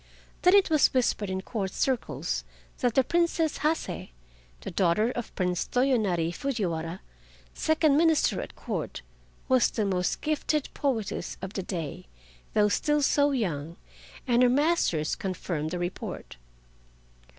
Then it was whispered in Court circles that the Princess Hase, the daughter of Prince Toyonari Fujiwara, second minister at Court, was the most gifted poetess of the day, though still so young, and her masters confirmed the report.